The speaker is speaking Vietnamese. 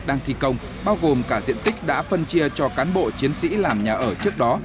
đang thi công bao gồm cả diện tích đã phân chia cho cán bộ chiến sĩ làm nhà ở trước đó